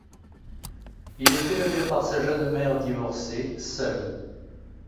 Il est élevé par sa jeune mère divorcée, seule.